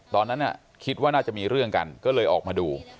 ตอนนั้นคิดว่าน่าจะมีเรื่องกันก็เลยออกมาดู